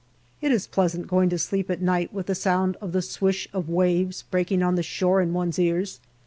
It is pleasant going to sleep at night with the sound of the swish of waves breaking on the shore in one's ears.